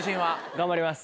頑張ります。